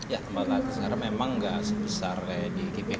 ya tempat latihan sekarang memang nggak sebesar kayak di kpk